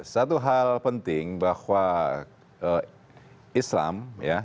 satu hal penting bahwa islam